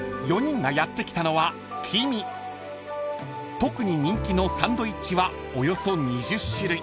［特に人気のサンドイッチはおよそ２０種類］